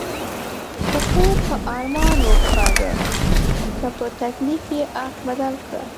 په خوب ښه ارمان وکاږه، که په تکلیف یې اړخ بدل کړه.